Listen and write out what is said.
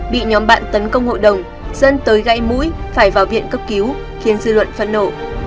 bị nhóm bạn tấn công hội đồng dân tới gãy mũi phải vào viện cấp cứu khiến dư luận phẫn nổ